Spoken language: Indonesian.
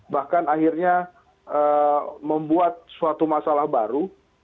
bahkan akhirnya membuat suatu masalah baru